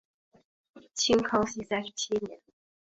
清康熙三十七年。